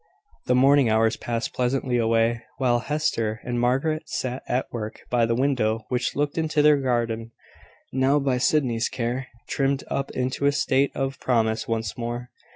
The morning hours passed pleasantly away, while Hester and Margaret sat at work by the window which looked into their garden, now, by Sydney's care, trimmed up into a state of promise once more.